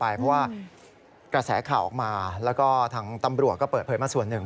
เพราะว่ากระแสข่าวออกมาแล้วก็ทางตำรวจก็เปิดเผยมาส่วนหนึ่ง